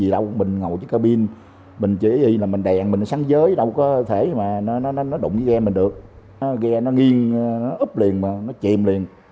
đâu có thể mà nó đụng cái ghe mình được ghe nó nghiêng nó úp liền mà nó chìm liền